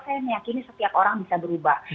saya meyakini setiap orang bisa berubah